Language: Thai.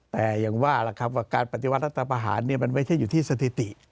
แต่อย่างว่าล่ะครับว่าการปฏิวัติรัฐประหารมันไม่ใช่อยู่ที่สถิติ